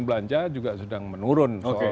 belanja juga sedang menurun soal